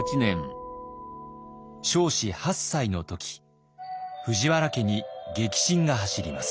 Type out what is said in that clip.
彰子８歳の時藤原家に激震が走ります。